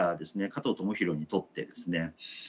加藤智大にとってですね